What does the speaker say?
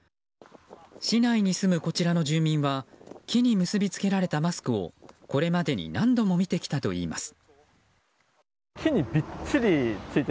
市内に住むこちらの住民は木に結び付けられたマスクをこれまでに何度も見てきたといいます。